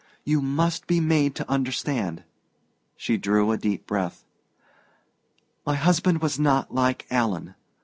You must be made to understand." She drew a deep breath. "My husband was not like Alan.